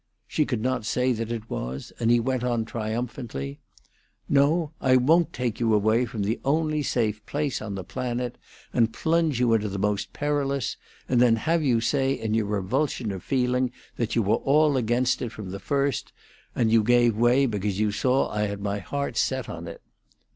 She could not say that it was, and he went on triumphantly: "No, I won't take you away from the only safe place on the planet and plunge you into the most perilous, and then have you say in your revulsion of feeling that you were all against it from the first, and you gave way because you saw I had my heart set on it."